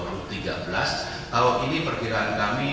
kalau ini perkiraan kami